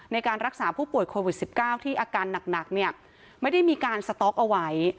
ในการรักษาผู้ป่วยโควิด๑๙ที่อาการหนักเนี่ยไม่ได้มีการสต๊อกเอาไว้